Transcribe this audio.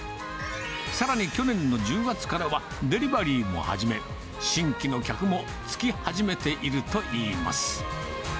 さらに去年の１０月からは、デリバリーも始め、新規の客もつき始めているといいます。